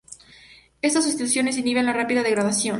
Estas sustituciones inhiben la rápida degradación.